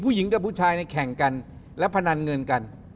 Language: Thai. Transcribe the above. พวกนี้ก็ผู้ชายแข่งกันและพนันเงินกัน